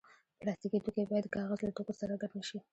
پلاستيکي توکي باید د کاغذ له توکو سره ګډ نه شي.